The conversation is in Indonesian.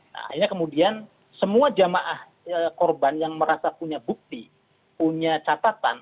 nah ini kemudian semua jamaah korban yang merasa punya bukti punya catatan